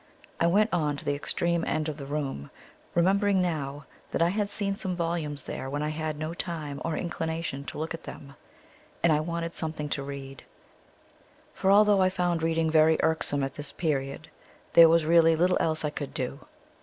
I went on to the extreme end of the room, remembering now that I had seen some volumes there when I had no time or inclination to look at them, and I wanted something to read; for although I found reading very irksome at this period, there was really little else I could do.